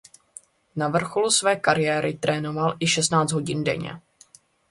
Na vrcholu své kariéry trénoval i šestnáct hodin denně.